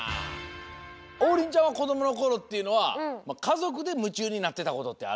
王林ちゃんはこどものころっていうのはかぞくでむちゅうになってたことってある？